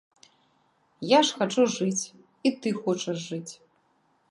Я ж хачу жыць, і ты хочаш жыць.